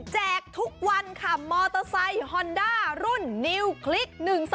ทุกวันค่ะมอเตอร์ไซค์ฮอนด้ารุ่นนิวคลิก๑๒